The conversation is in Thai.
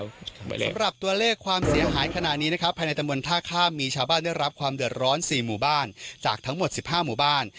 สำหรับตัวเลขความเสียหายขณะนี้นะครับภายในตำบลท่าข้ามมีชาวบ้านได้รับความเดือดร้อน๔หมู่บ้านจากทั้งหมด๑๕หมู่บ้าน